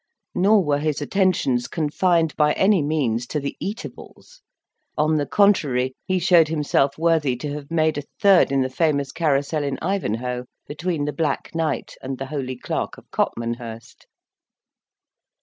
Nor were his attentions confined by any means to the eatables; on the contrary, he showed himself worthy to have made a third in the famous carousal in Ivanhoe, between the Black Knight and the Holy Clerk of Copmanhurst.